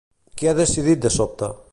Què ha decidit de sobte?